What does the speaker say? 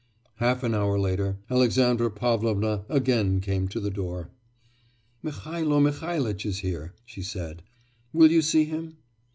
Half an hour later, Alexandra Pavlovna again came to the door. 'Mihailo Mihailitch is here,' she said, 'will you see him?